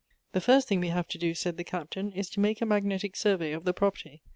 " The first thing we have to do," said the Captain, " is to make a magnetic survey of the property.